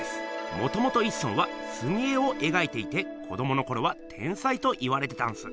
もともと一村は「すみ絵」をえがいていて子どものころは天才と言われてたんす。